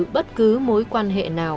bất cứ mối quan hệ nào